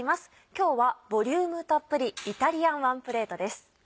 今日はボリュームたっぷり「イタリアンワンプレート」です。